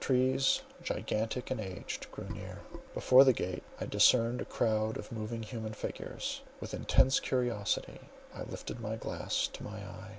Trees gigantic and aged grew near; before the gate I discerned a crowd of moving human figures—with intense curiosity I lifted my glass to my eye.